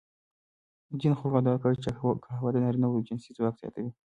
ځینو خلکو ادعا کړې چې قهوه د نارینوو جنسي ځواک زیاتوي.